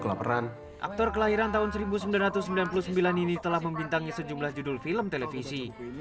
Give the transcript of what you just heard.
aperan aktor kelahiran tahun seribu sembilan ratus sembilan puluh sembilan ini telah membintangi sejumlah judul film televisi